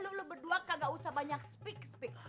lu berdua kagak usah banyak speak speak